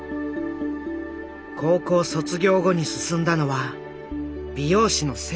高校卒業後に進んだのは美容師の専門学校。